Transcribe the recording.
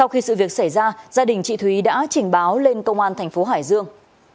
sau khi sự việc xảy ra gia đình chị thúy đã trình báo lên công an thành phố hải dương